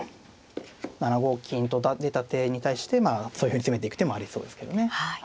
７五金と出た手に対してまあそういうふうに攻めていく手もありそうですけどね。